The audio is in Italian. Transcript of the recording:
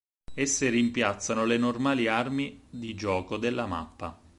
Esse rimpiazzano le normali armi di gioco della mappa.